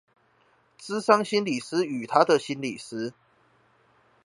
諮商心理師與她的心理師